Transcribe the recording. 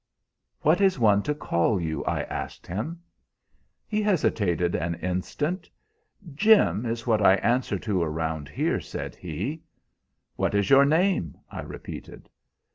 "'What is one to call you?' I asked him. "He hesitated an instant. 'Jim is what I answer to around here,' said he. "'What is your name?' I repeated.